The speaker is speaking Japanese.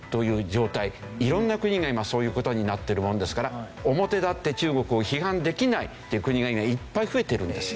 色んな国が今そういう事になっているものですから表立って中国を批判できないという国が今いっぱい増えているんです。